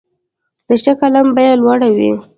د ښه قلم بیه لوړه وي.